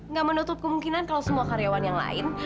nggak menutup kemungkinan kalau semua karyawan yang lain